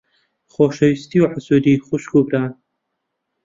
خۆشەویستی و حەسوودی خوشک و بران.